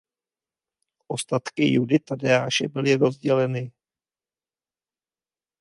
Ostatky Judy Tadeáše byly rozděleny.